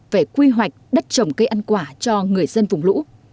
về quy hoạch đất trồng cây ăn quả cho người dân vùng lũ